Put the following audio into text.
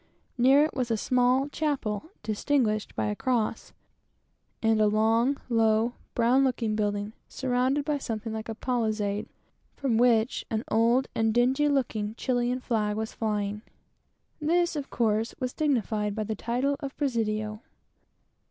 Near it was a small chapel, distinguished by a cross; and a long, low brown looking building, surrounded by something like a palisade, from which an old and dingy looking Chilian flag was flying. This, of course, was dignified by the title of Presidio.